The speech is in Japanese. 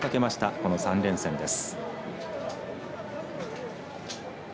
この３連戦です。